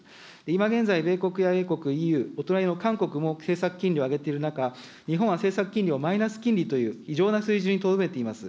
今現在、米国や英国、ＥＵ、お隣の韓国も政策金利を上げている中、日本は政策金利をマイナス金利という、異常な水準にとどめています。